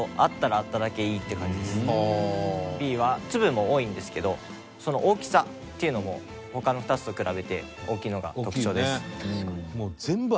Ｂはツブも多いんですけどその大きさっていうのも他の２つと比べて大きいのが特徴です。